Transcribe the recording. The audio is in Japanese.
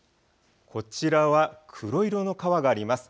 こちらは黒色の川があります。